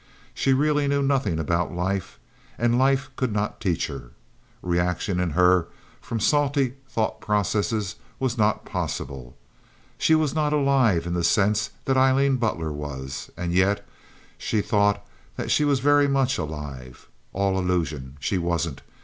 She really knew nothing about life. And life could not teach her. Reaction in her from salty thought processes was not possible. She was not alive in the sense that Aileen Butler was, and yet she thought that she was very much alive. All illusion. She wasn't.